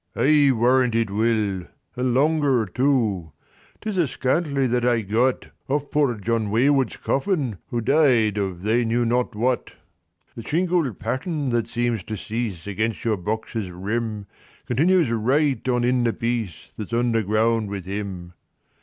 "I warrant it will. And longer too. 'Tis a scantling that I got Off poor John Wayward's coffin, who Died of they knew not what. "The shingled pattern that seems to cease Against your box's rim Continues right on in the piece That's underground with him.